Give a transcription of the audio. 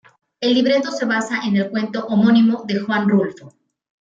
El libreto se basa en el cuento homónimo de Juan Rulfo.